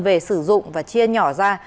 về sử dụng và chia nhỏ ra